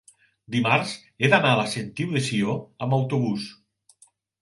dimarts he d'anar a la Sentiu de Sió amb autobús.